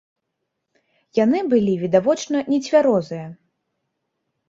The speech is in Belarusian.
Яны былі відавочна нецвярозыя.